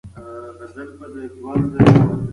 هغه په یوه اورګاډي تمځای کې وفات شو.